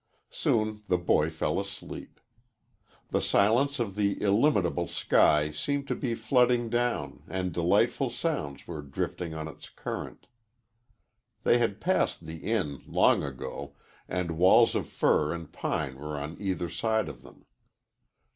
Soon the boy fell asleep. The silence of the illimitable sky seemed to be flooding down and delightful sounds were drifting on its current. They had passed the inn, long ago and walls of fir and pine were on either side of them.